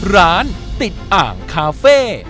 ร้านติดอ่างคาเฟ่